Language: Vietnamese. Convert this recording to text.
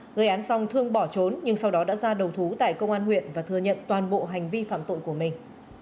người án xong thương bỏ trốn nhưng sau đó đã ra đầu thú tại công an huyện và thừa nhận toàn bộ hành vi phạm tội của mình